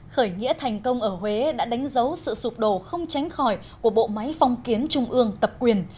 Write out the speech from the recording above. khởi nghĩa thành công ở huế đã đánh dấu sự sụp đổ không tránh khỏi của bộ máy phong kiến trung ương tập quyền